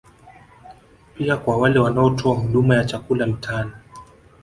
Pia kwa wale wanaotoa huduma ya chakula mitaani